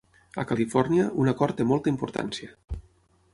A California, un acord té molta importància.